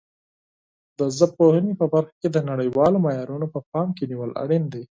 د ژبپوهنې په برخه کې د نړیوالو معیارونو په پام کې نیول اړین دي.